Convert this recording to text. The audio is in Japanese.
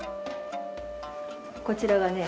こちらがね